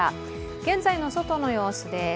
現在の外の様子です。